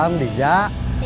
tak perlu lag sonra aku nolak